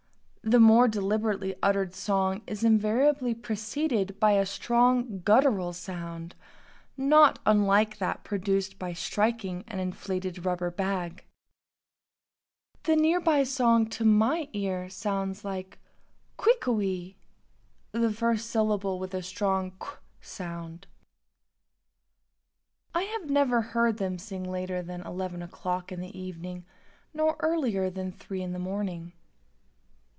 The more deliberately uttered song is invariably preceded by a strongly guttural sound not unlike that produced by striking an inflated rubber bag. The near by song, to my ear, sounds like "qui ko wee," the first syllable with a strong "q" sound. I have never heard them sing later than 11 o'clock in the evening nor earlier than 3 in the morning.